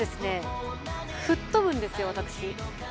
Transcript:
吹っ飛ぶんですよ、私。